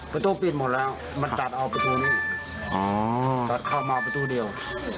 ประตูปิดหมดแล้วมันตัดเอาประตูนี้อ๋อตัดเข้ามาประตูเดียว